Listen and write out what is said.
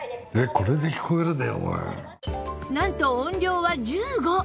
なんと音量は１５